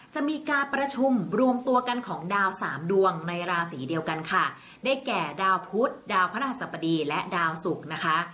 จะมีการประชุมรวมตัวกันของดาวสามดวงในราศีเดียวกันค่ะได้แก่ดาวพุทธดาวพระราชสัปดีและดาวสุกนะคะ